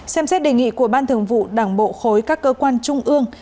xem xét đề nghị của ban thường vụ đảng bộ khối các cơ quan trung ương